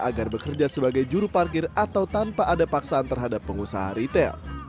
agar bekerja sebagai juru parkir atau tanpa ada paksaan terhadap pengusaha ritel